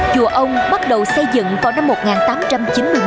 chùa ông bắt đầu xây dựng vào năm một nghìn tám trăm chín mươi một